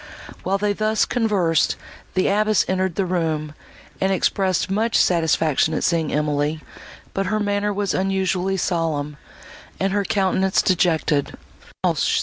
While they thus conversed the abbess entered the room, and expressed much satisfaction at seeing Emily, but her manner was unusually solemn, and her countenance dejected.